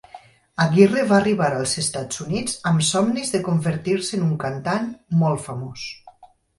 Aguirre va arribar als Estats Units amb somnis de convertir-se en un cantant molt famós.